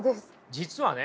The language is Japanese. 実はね